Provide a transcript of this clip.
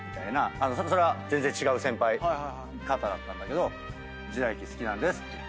それは全然違う先輩方だったんだけど時代劇好きなんですって言って。